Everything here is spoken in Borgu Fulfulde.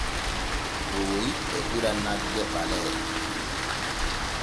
Ɓooyi e ɓira nagge ɓalee.